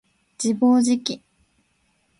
自暴自棄